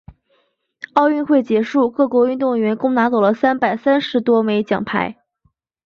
奥运会结束，各国运动员共拿走了三百三十多枚奖牌。